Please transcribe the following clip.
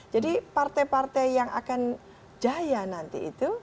jadi partai partai yang akan jaya nanti itu